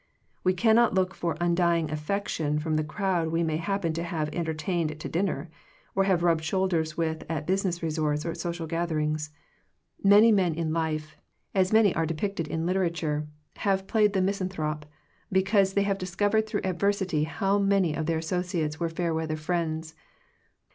We cannot look for undying affection from the crowd we may happen to have entertained to dinner, or have rubbed shoulders with at business resorts or at social gatherings. Many men in 96 Digitized by VjOOQIC THE CHOICE OF FRIENDSHIP life, as many are depicted in literature, have played the misanthrope, because they have discovered through adversity how many of their associates were fair weather friends.